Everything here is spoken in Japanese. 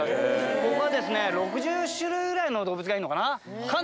ここは６０種類ぐらいの動物がいるのかな。